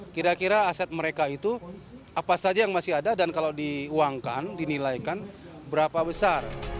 kira kira aset mereka itu apa saja yang masih ada dan kalau diuangkan dinilaikan berapa besar